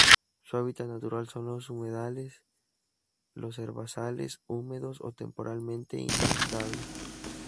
Su hábitat natural son los humedales y los herbazales húmedos o temporalmente inundables.